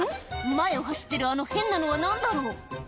前を走ってるあの変なのは何だろう？